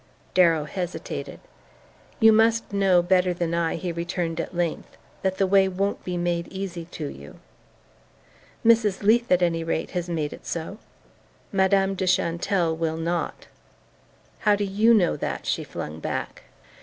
Darrow hesitated. "You must know better than I," he returned at length, "that the way won't be made easy to you." "Mrs. Leath, at any rate, has made it so." "Madame de Chantelle will not." "How do YOU know that?" she flung back.